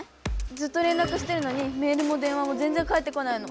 ずっと連らくしてるのにメールも電話も全然返ってこないの。